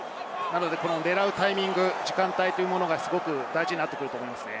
狙うタイミング、時間帯がすごく大事になってくると思います。